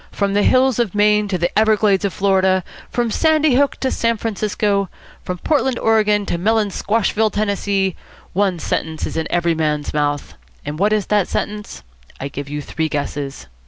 From the hills of Maine to the Everglades of Florida, from Sandy Hook to San Francisco, from Portland, Oregon, to Melonsquashville, Tennessee, one sentence is in every man's mouth. And what is that sentence? I give you three guesses.